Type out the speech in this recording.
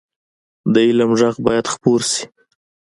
د علم غږ باید خپور شي